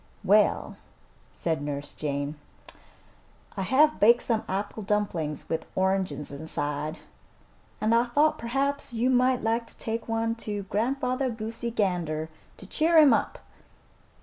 "Well," said Nurse Jane, "I have baked some apple dumplings with oranges inside, and I thought perhaps you might like to take one to Grandfather Goosey Gander to cheer him up."